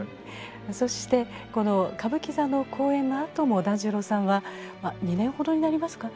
そしてこの歌舞伎座の公演のあとも團十郎さんは２年ほどになりますか？